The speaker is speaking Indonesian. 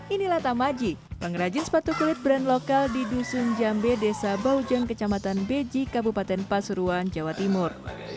inilah tamaji pengrajin sepatu kulit brand lokal di dusun jambe desa baujan kecamatan beji kabupaten pasuruan jawa timur